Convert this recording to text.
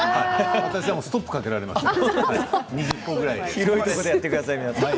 ストップをかけられましたよ。